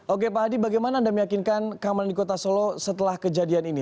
oke pak hadi bagaimana anda meyakinkan keamanan di kota solo setelah kejadian ini